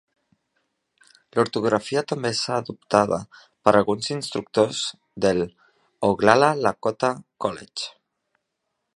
L'ortografia també és adoptada per alguns instructors del Oglala Lakota College.